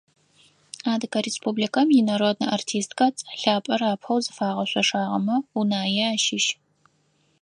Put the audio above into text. Адыгэ Республикэм инароднэ артисткэ цӀэ лъапӀэр апэу зыфагъэшъошагъэмэ Унае ащыщ.